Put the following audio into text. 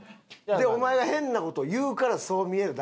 でお前が変な事を言うからそう見えるだけで。